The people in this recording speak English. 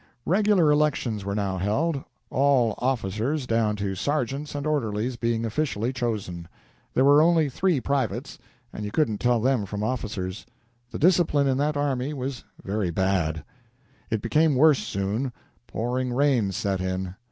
Regular elections were now held all officers, down to sergeants and orderlies, being officially chosen. There were only three privates, and you couldn't tell them from officers. The discipline in that army was very bad. It became worse soon. Pouring rain set in.